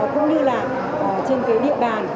cũng như là trên cái địa bàn